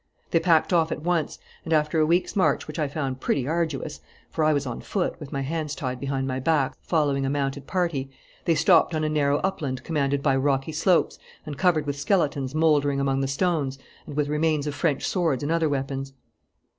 They packed off at once; and, after a week's march which I found pretty arduous, for I was on foot, with my hands tied behind my back, following a mounted party, they stopped on a narrow upland commanded by rocky slopes and covered with skeletons mouldering among the stones and with remains of French swords and other weapons.